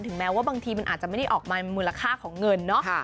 แม้ว่าบางทีมันอาจจะไม่ได้ออกมามูลค่าของเงินเนาะ